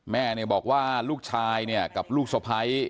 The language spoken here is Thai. แม่บอกว่าลูกชายกับลูกสะไพร